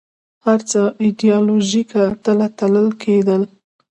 هر څه ایدیالوژیکه تله تلل کېدل